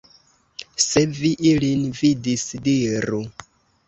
Se vi ilin vidis, diru!